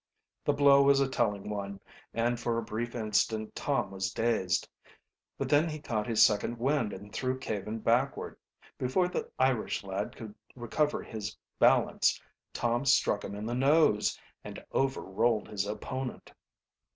The blow was a telling one, and for a brief instant Tom was dazed. But then he caught his second wind and threw Caven backward. Before the Irish lad could recover his balance, Tom struck him in the nose, and over rolled his opponent.